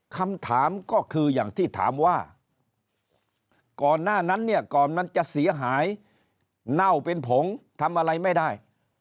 คำถามก็คืออย่างที่ถามว่าก่อนหน้านั้นเนี่ยก่อนมันจะเสียหายเน่าเป็นผงทำอะไรไม่ได้